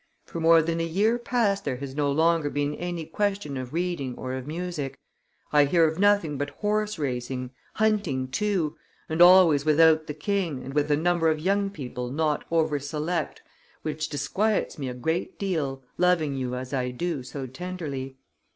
For more than a year past there has no longer been any question of reading or of music; I hear of nothing but horse racing, hunting too, and always without the king and with a number of young people not over select, which disquiets me a great deal, loving you as I do so tenderly.